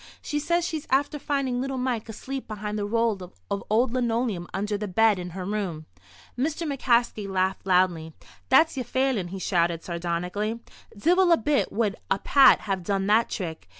"She says she's after finding little Mike asleep behind the roll of old linoleum under the bed in her room." Mr. McCaskey laughed loudly. "That's yer Phelan," he shouted, sardonically. "Divil a bit would a Pat have done that trick.